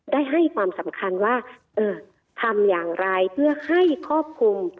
ได้ให้ความสำคัญว่าทำอย่างไรเพื่อให้ครอบคลุม